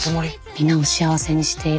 皆を幸せにしている。